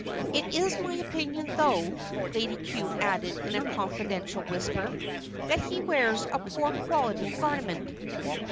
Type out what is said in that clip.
It is my opinion, though," Lady Cue added in a confidential whisper, "that he wears a poor quality garment."